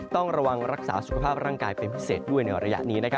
ต้องระวังรักษาสุขภาพร่างกายเป็นพิเศษด้วยในระยะนี้